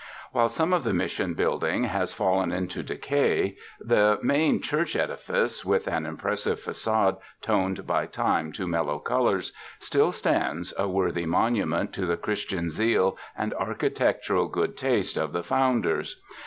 While much of the Mission building has fallen into decay, the main church edifice, with an impressive fagade toned by time to mellow colors, still stands a worthy monument to the Christian zeal and architectural good taste of the founders.